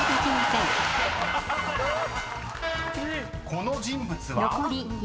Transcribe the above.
［この人物は？］